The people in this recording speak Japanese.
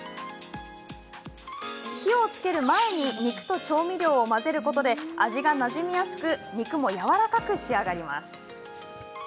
火をつける前に肉と調味料を混ぜることで味がなじみやすく肉もやわらかく仕上がります。